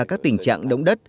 các tình trạng đống đất